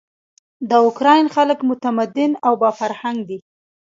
د اوکراین خلک متمدن او با فرهنګه دي.